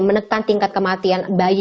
menekan tingkat kematian bayi